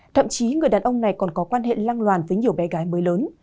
thậm chí người đàn ông này còn có quan hệ lăng loàn với nhiều bé gái mới lớn